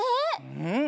うん！